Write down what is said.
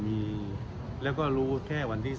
เหมือนคนในกระทรวงพระนิท